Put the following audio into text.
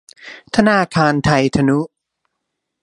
ธนาคารไทยทนุ